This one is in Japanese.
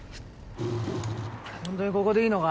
ほんとにここでいいのか？